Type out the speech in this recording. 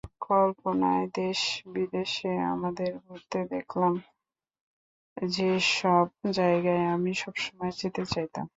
কল্পনায় দেশে-বিদেশে আমাদের ঘুরতে দেখলাম, যেসব জায়গায় আমি সবসময় যেতে চাইতাম।